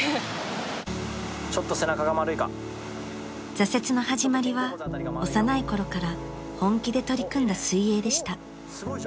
［挫折の始まりは幼いころから本気で取り組んだ水泳でした］